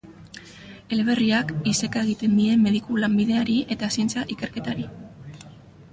Eleberriak iseka egiten die mediku-lanbideari eta zientzia-ikerketari.